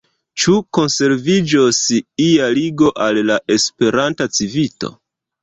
Ĉu konserviĝos ia ligo al la Esperanta Civito?